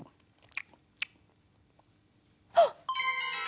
あっ！